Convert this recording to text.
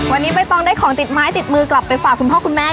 วันนี้ใบตองได้ของติดไม้ติดมือกลับไปฝากคุณพ่อคุณแม่